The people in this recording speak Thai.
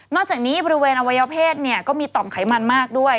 นอกจากนี้บริเวณอวัยเภทก็มีต่อมไขมันมากด้วย